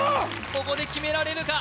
ここで決められるか？